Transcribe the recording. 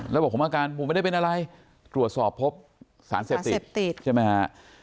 แล้วบอกผมอาการผมไม่ได้เป็นอะไรตรวจสอบพบสารเสพติดใช่ไหมฮะ